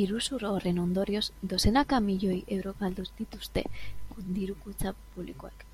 Iruzur horren ondorioz dozenaka milioi euro galdu dituzte diru-kutxa publikoek.